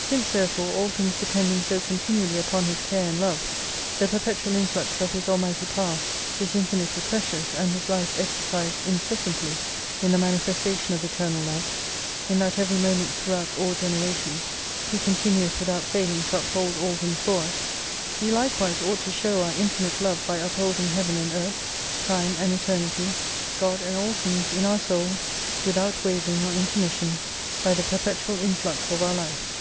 Since therefore all things depending so continu ally upon His care and love, the perpetual influx of His almighty power is infinitely precious and His Life exercised incessantly in the manifestation of Eternal Love, in that every moment throughout all generations He continueth without failing to uphold all things for us, we likewise ought to show our infinite love by upholding Heaven and Earth, Time and Eternity, God and all things in our Souls, without wavering or intermission : by the perpetual influx of our life.